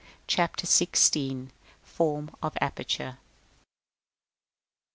CHAPTER XVI. FORM OF APERTURE.